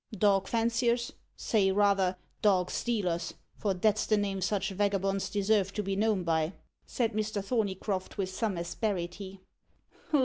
"Dog fanciers say, rather, dog stealers; for that's the name such vagabonds deserve to be known by," said Mr. Thorneycroft with some asperity.